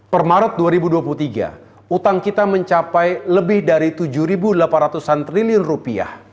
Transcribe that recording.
pemaret dua ribu dua puluh tiga utang kita mencapai lebih dari rp tujuh delapan ratus